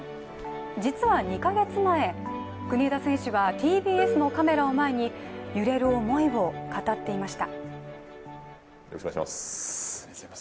実は２か月前、国枝選手がＴＢＳのカメラを前に揺れる思いを語っていました。